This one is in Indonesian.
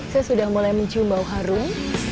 saya sudah mulai mencium bau harum